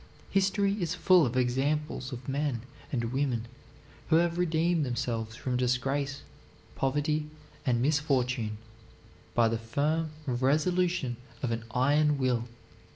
History is full of examples of men and women who have redeemed themselves from disgrace, poverty, and misfortune by the firm resolution of an iron will.